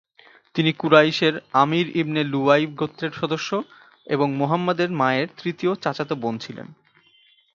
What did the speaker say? তিনি কুরাইশের Amir ibn Luayy গোত্রের সদস্য এবং মুহাম্মাদের মায়ের তৃতীয় চাচাতো বোন ছিলেন।